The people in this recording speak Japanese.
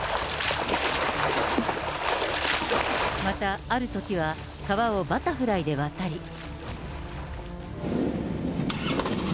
また、あるときは川をバタフライで渡り。